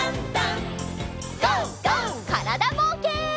からだぼうけん。